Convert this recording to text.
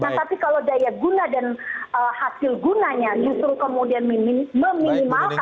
nah tapi kalau daya guna dan hasil gunanya justru kemudian meminimalkan